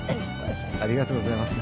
ありがとうございます。